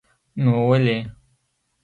نو ولې.